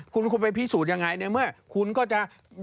คุณควรไปพิสูจน์อย่างไรเนี่ยเมื่อคุณก็จะ